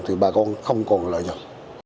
thì bà con không còn lợi nhuận